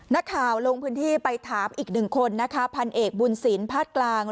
นักข่าวลงพื้นที่ไปถามอีกหนึ่งคนนะคะพันเอกบุญศิลป์ภาคกลาง